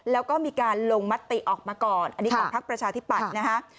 แล้วก็มีการลงมติออกมาก่อนอันนี้ของพักประชาธิปัตย์นะฮะ